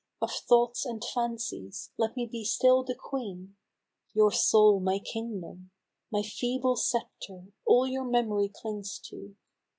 Of thoughts and fancies, Let me be still the queen — your soul my kingdom, My feeble sceptre, all your memory clings to.